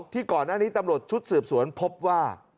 ที่ก่อนหน้านี้ตำรวจชุดสืบสวนพบว่า